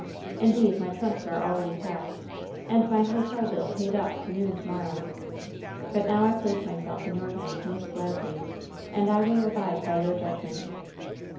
Indeed, my trunks are already packed and my hotel bill paid up to noon to morrow. But now I place myself in your hands most gladly, and I will abide by your judgment.